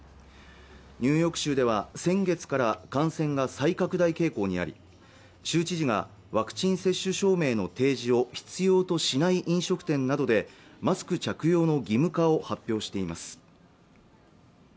ニューヨーク州では先月から感染が再拡大傾向にあり州知事がワクチン接種証明の提示を必要としない飲食店などでマスク着用の義務化を発表しています